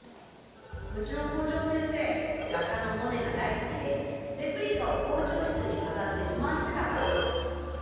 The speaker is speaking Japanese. ウチの校長先生画家のモネが大好きでレプリカを校長室に飾って自慢してたから。